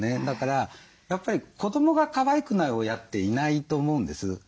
だから子どもがかわいくない親っていないと思うんです。